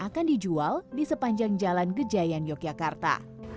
sambal lotis akan dijual di sepanjang jalan gejayan yogyakarta